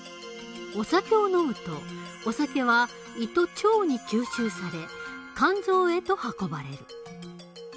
お酒を飲むとお酒は胃と腸に吸収され肝臓へと運ばれる。